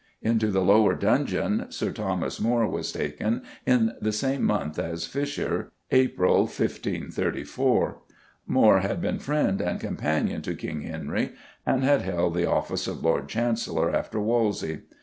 Into the lower dungeon Sir Thomas More was taken in the same month as Fisher (April 1534). More had been friend and companion to King Henry, and had held the office of Lord Chancellor after Wolsey.